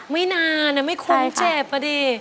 ไม่นานไม่คุ้มเจ็บอ่ะดิ